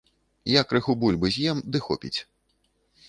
Я крыху бульбы з'ем ды хопіць.